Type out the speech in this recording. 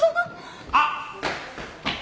あっ！